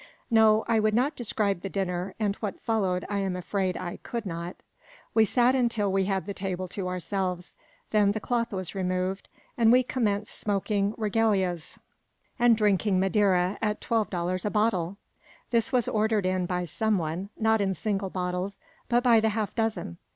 No; I would not describe the dinner, and what followed I am afraid I could not. We sat until we had the table to ourselves. Then the cloth was removed, and we commenced smoking regalias and drinking madeira at twelve dollars a bottle! This was ordered in by someone, not in single bottles, but by the half dozen.